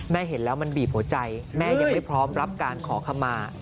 เห็นแล้วมันบีบหัวใจแม่ยังไม่พร้อมรับการขอขมา